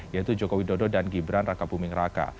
yaitu jokowi dodo dan gibran raka buming raka